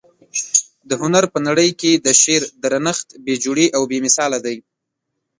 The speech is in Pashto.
د هنر په نړۍ کي د شعر درنښت بې جوړې او بې مثاله دى.